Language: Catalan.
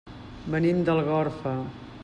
Venim d'Algorfa.